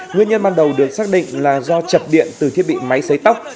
nguyên nhân ban đầu được xác định là do chập điện từ thiết bị máy xấy tóc